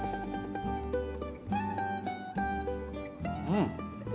うん。